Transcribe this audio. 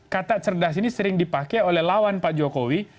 kata cerdas ini sering dipakai oleh lawan pak jokowi